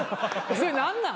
それ何なん？